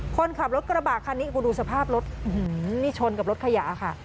คนขับรถกระบากคันนี้กูดูสภาพรถอื้อหือนี่ชนกับรถขยะค่ะ